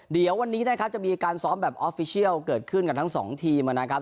เดี๋ยววันนี้นะครับจะมีการซ้อมแบบออฟฟิเชียลเกิดขึ้นกับทั้งสองทีมนะครับ